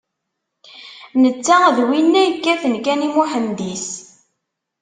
Netta d winna yekkaten kan i Muḥend-is.